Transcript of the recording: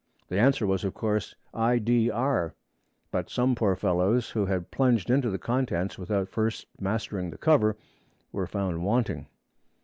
The answer was, of course, I.D.R.; but some poor fellows who had plunged into the contents without first mastering the cover, were found wanting.